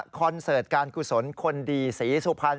เสิร์ตการกุศลคนดีศรีสุพรรณ